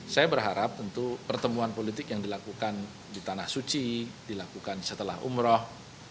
saya berharap tentu pertemuan politik yang dilakukan di tanah suci dilakukan setelah umroh